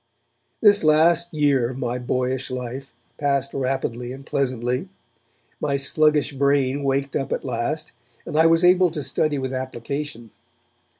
This last year of my boyish life passed rapidly and pleasantly. My sluggish brain waked up at last and I was able to study with application.